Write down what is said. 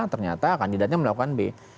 ternyata kandidatnya melakukan b